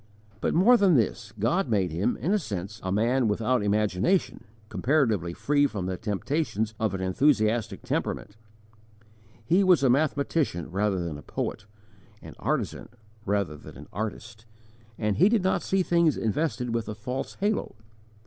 But, more than this, God made him, in a sense, a man without imagination comparatively free from the temptations of an enthusiastic temperament. He was a mathematician rather than a poet, an artisan rather than an artist, and he did not see things invested with a false halo.